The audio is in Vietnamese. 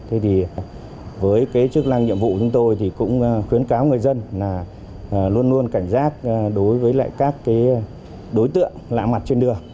thế thì với cái chức năng nhiệm vụ chúng tôi thì cũng khuyến cáo người dân là luôn luôn cảnh giác đối với lại các cái đối tượng lạ mặt trên đường